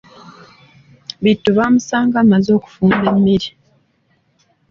Bittu baamusanga amaze okufumba emmere.